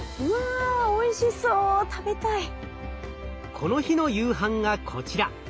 この日の夕飯がこちら。